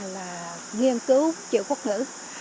là nghiên cứu triệu quốc ngữ